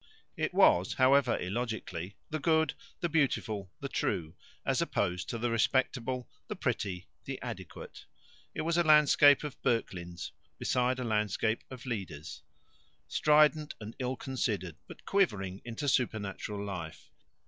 It was, however illogically, the good, the beautiful, the true, as opposed to the respectable, the pretty, the adequate. It was a landscape of Bocklin's beside a landscape of Leader's, strident and ill considered, but quivering into supernatural life.